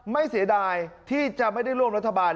เสียดายที่จะไม่ได้ร่วมรัฐบาล